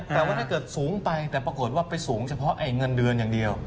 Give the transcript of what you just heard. แต่ว่าถ้าเกิดสูงไปแต่ปรากฏว่าไปสูงเฉพาะเงินเดือนอย่างเดียว